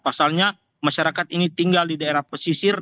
pasalnya masyarakat ini tinggal di daerah pesisir